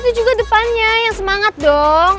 tapi juga depannya yang semangat dong